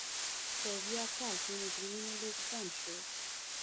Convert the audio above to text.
په ویاه کال کې مجرمینو لېږد بند شو.